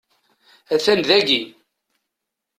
Atan dagi!